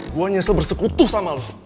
gue nyesel bersekutu sama lo